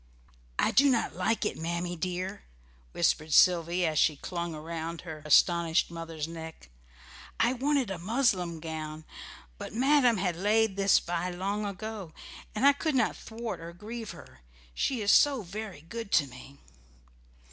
"I did not like it, Mammy dear," whispered Sylvy, as she clung round her astonished mother's neck. "I wanted a muslin gown; but madam had laid this by long ago, and I could not thwart or grieve her, she is so very good to me."